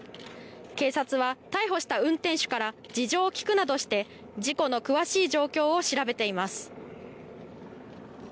警察は逮捕した運転手から事情を聴くなどして事故の詳しい状況を調べています。